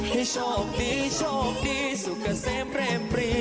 ให้โชคดีโชคดีสุขเกษตรแรมปรี